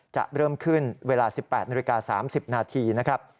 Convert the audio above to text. จะเริ่มขึ้นเวลา๑๘๓๐นาทีนะครับ